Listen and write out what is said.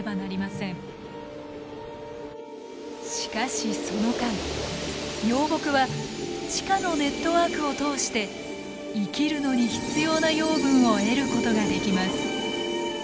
しかしその間幼木は地下のネットワークを通して生きるのに必要な養分を得ることができます。